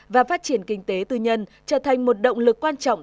và phát triển kinh tế tư nhân trở thành một động lực quan trọng